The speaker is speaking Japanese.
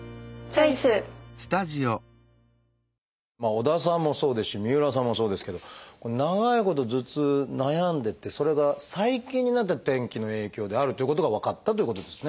織田さんもそうですし三浦さんもそうですけど長いこと頭痛悩んでてそれが最近になって天気の影響であるということが分かったということですね。